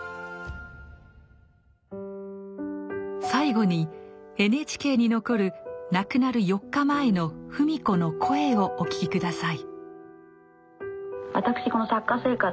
最後にＮＨＫに残る亡くなる４日前の芙美子の声をお聴き下さい。